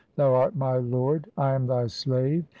Thou art my Lord, I am Thy slave.